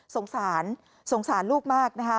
สงสารสงสารลูกมาก